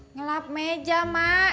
ngelap meja mak